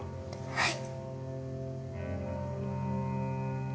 はい。